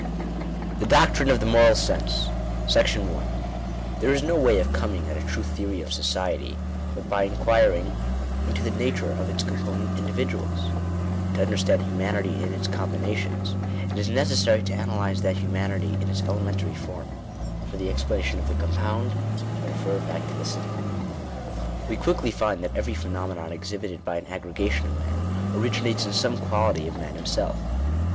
"*"&/$& *4 The Doctrine or the Moral Sense. § i. • There is no way of coming at a true theory of society, but by . inquiring into the nature of its component individuals. To understand humanity in its combinations, it is necessary to analyze that humanity in its elementary form — for the explana tion of the compound, to refer back to the simple. We quickly find that every phenomenon exhibited by an aggregation of men, originates in some quality of man himself.